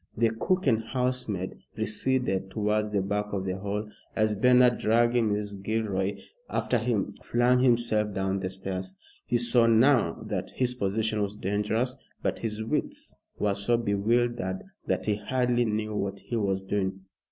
The cook and housemaid receded towards the back of the hall as Bernard, dragging Mrs. Gilroy after him, flung himself down the stairs. He saw now that his position was dangerous, but his wits were so bewildered that he hardly knew what he was doing.